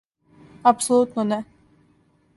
Апсолутно не.